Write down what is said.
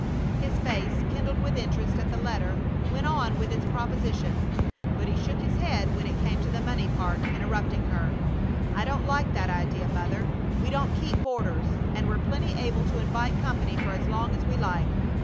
His face kindled with interest as the letter went on with its proposition, but he shook his head when it came to the money part, interrupting her: "I don't like that idea, Mother; we don't keep boarders, and we're plenty able to invite company for as long as we like.